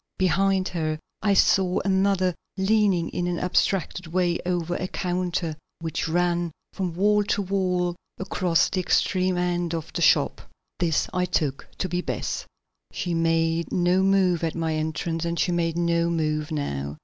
Behind her I saw another leaning in an abstracted way over a counter which ran from wall to wall across the extreme end of the shop. This I took to be Bess. She had made no move at my entrance and she made no move now.